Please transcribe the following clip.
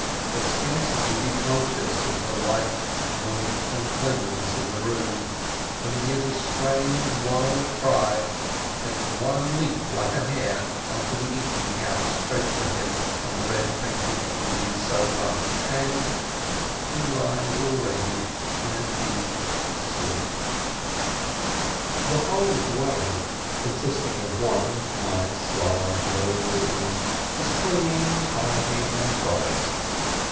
But scarcely is he conscious of the light, warmth, and cleanliness of the room, when he gives a strange, wild cry, takes one leap, like a hare, onto the "eating couch" spread for him on the red painted, wooden sofa, and — he lies already in a deep sleep. II The whole dwelling, consisting of one nice, large, low room, is clean, tidy, and bright.